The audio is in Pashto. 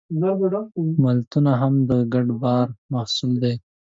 ملتونه هم د ګډ باور محصول دي.